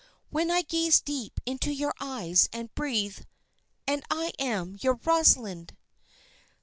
When I gaze deep into your eyes and breathe "_And I am your Rosalind!